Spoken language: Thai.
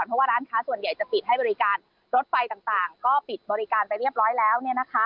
เพราะว่าร้านค้าส่วนใหญ่จะปิดให้บริการรถไฟต่างก็ปิดบริการไปเรียบร้อยแล้ว